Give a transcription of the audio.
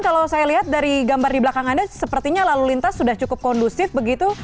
kalau saya lihat dari gambar di belakang anda sepertinya lalu lintas sudah cukup kondusif begitu